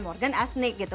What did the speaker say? morgan as nick gitu